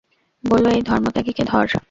বলল, এই ধর্মত্যাগীকে ধর।